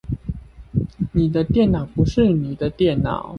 你的電腦不是你的電腦